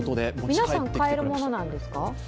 皆さん、買えるものなんですか？